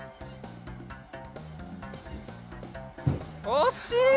おしい！